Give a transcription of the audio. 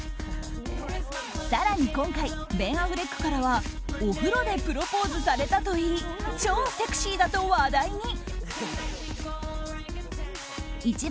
更に今回ベン・アフレックからはお風呂でプロポーズされたといい超セクシーだと話題に。